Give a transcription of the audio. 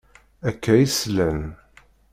Akka i slan.